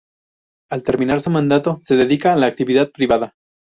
Al terminar su mandato se dedica a la actividad privada.